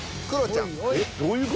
えっどういう事？